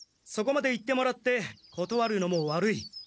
そこまで言ってもらってことわるのも悪い。